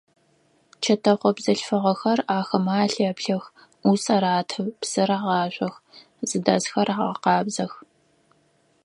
Чэтэхъо бзылъфыгъэхэр ахэмэ алъэплъэх, ӏус араты, псы рагъашъох, зыдэсхэр агъэкъабзэх.